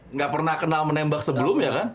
nggak pernah kenal menembak sebelumnya kan